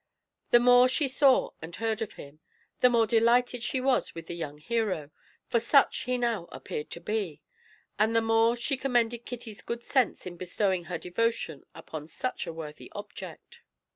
The more she saw and heard of him, the more delighted she was with the young hero, for such he now appeared to be; and the more she commended Kitty's good sense in bestowing her devotion upon such a worthy object.